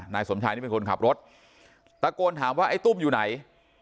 สมชายนี่เป็นคนขับรถตะโกนถามว่าไอ้ตุ้มอยู่ไหน